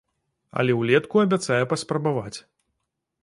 Але ўлетку абяцае паспрабаваць.